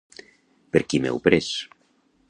Per qui m'heu pres?